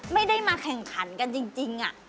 ไม่ได้มาแข่งขันกันจริง